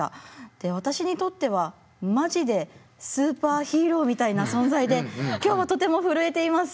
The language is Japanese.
で私にとってはマジでスーパーヒーローみたいな存在で今日はとても震えています。